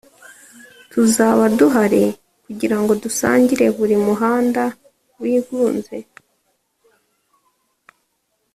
tuzaba duhari kugirango dusangire buri muhanda wigunze